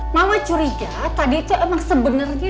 mama curiga tadi itu emang sebenarnya